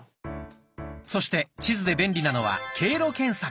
そして地図で便利なのは経路検索。